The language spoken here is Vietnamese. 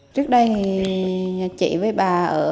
trước đây chị với bà ở